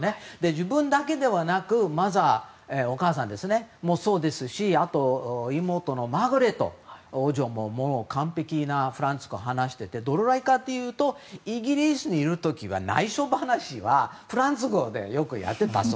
自分だけではなくお母さんもそうですしあと、妹のマーガレット王女も完璧なフランス語を話していてどれぐらいかというとイギリスにいる時は内緒話はフランス語でよくやっていたと。